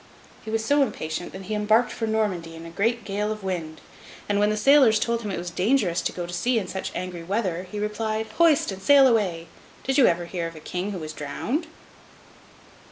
He was so impatient, that he embarked for Normandy in a great gale of wind. And when the sailors told him it was dangerous to go to sea in such angry weather, he replied, 'Hoist sail and away! Did you ever hear of a king who was drowned?